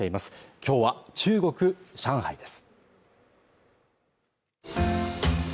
今日は中国・上海です